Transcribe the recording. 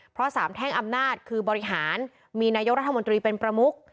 เพราะสามแท่งอำนาจคือบริหารมีนายกรัฐมนตรีเป็นประมุก